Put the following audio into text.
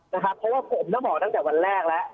เพราะว่าผมต้องบอกตั้งแต่วันแรกแล้ว